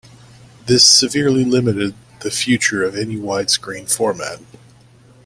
This severely limited the future of any widescreen format.